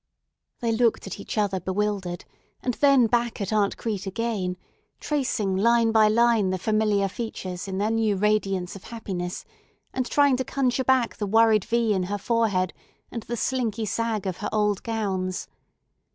They looked at each other bewildered, and then back at Aunt Crete again, tracing line by line the familiar features in their new radiance of happiness, and trying to conjure back the worried V in her forehead, and the slinky sag of her old gowns.